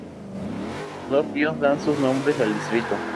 Los dos ríos dan sus nombres al distrito.